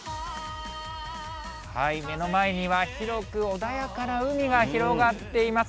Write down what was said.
目の前には、広く穏やかな海が広がっています。